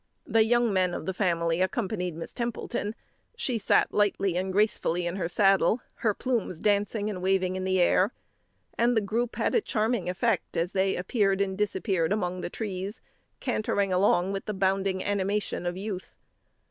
The young men of the family accompanied Miss Templeton. She sat lightly and gracefully in her saddle, her plumes dancing and waving in the air; and the group had a charming effect as they appeared and disappeared among the trees, cantering along with the bounding animation of youth.